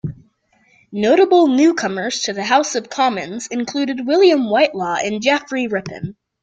Notable newcomers to the House of Commons included William Whitelaw and Geoffrey Rippon.